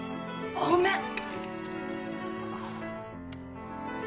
ごめん！